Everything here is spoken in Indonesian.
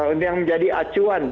untuk menjadi acuan